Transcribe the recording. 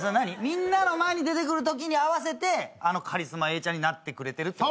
みんなの前に出てくるときに合わせてあのカリスマ永ちゃんになってくれてるって？